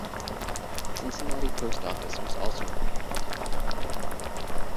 Cincinnati post office was also renamed.